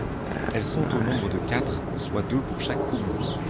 Elles sont au nombre de quatre, soit deux pour chaque poumon.